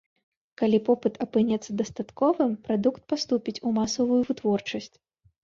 Калі попыт апынецца дастатковым, прадукт паступіць у масавую вытворчасць.